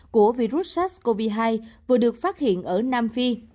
của virus sars cov hai vừa được phát hiện ở nam phi